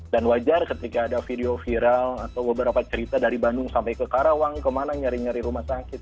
dan wajar ketika ada video viral atau beberapa cerita dari bandung sampai ke karawang kemana nyari nyari rumah sakit